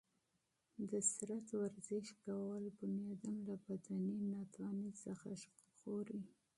د بدن ورزش کول انسان له بدني کمزورۍ څخه ژغوري.